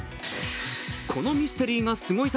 「このミステリーがすごい！」